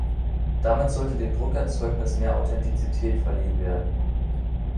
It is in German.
Damit sollte dem Druckerzeugnis mehr Authentizität verliehen werden.